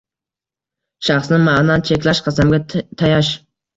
Shaxsni ma’nan cheklash, qasamga tayash –